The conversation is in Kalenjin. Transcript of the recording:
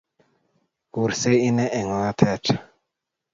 Kuursei Ine eng' ong'atet-